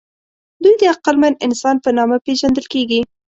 دوی د عقلمن انسان په نامه پېژندل کېږي.